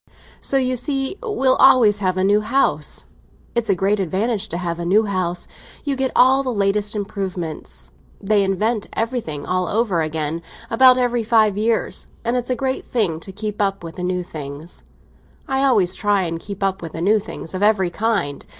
So you see we'll always have a new house; it's a great advantage to have a new house; you get all the latest improvements. They invent everything all over again about every five years, and it's a great thing to keep up with the new things. I always try and keep up with the new things of every kind.